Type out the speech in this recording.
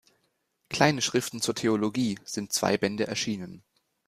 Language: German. Kleine Schriften zur Theologie" sind zwei Bände erschienen.